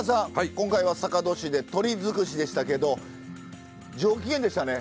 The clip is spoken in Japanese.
今回は坂戸市で鶏づくしでしたけど上機嫌でしたね。